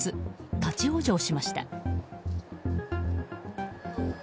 立ち往生しました。